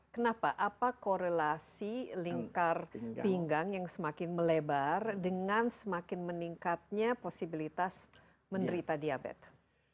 kenapa apa korelasi lingkar pinggang yang semakin melebar dengan semakin meningkatnya posibilitas menderita diabetes